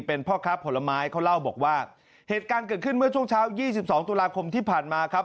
เป็นพ่อค้าผลไม้เขาเล่าบอกว่าเหตุการณ์เกิดขึ้นเมื่อช่วงเช้า๒๒ตุลาคมที่ผ่านมาครับ